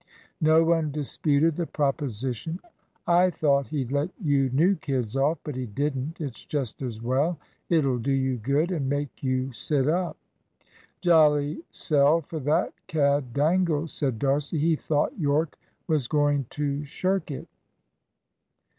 No one disputed the proposition. "I thought he'd let you new kids off, but he didn't. It's just as well. It'll do you good, and make you sit up." "Jolly sell for that cad Dangle," said D'Arcy. "He thought Yorke was going to shirk it."